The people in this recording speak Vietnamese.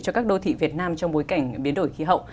cho các đô thị việt nam trong bối cảnh biến đổi khí hậu